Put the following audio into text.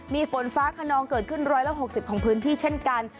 มีฝนฟ้าขนองเกิดขึ้น๑๖๐ของพื้นที่เช่นกัน